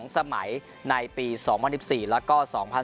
๒สมัยในปี๒๐๑๔แล้วก็๒๐๑๖